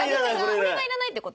これがいらないって事？